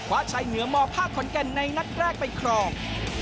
ว่าใช้เหนือหมอผ้าขอนแก่นในนักแรกเป็นครอง